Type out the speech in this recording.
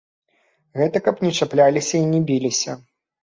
Гэта каб не чапляліся і не біліся.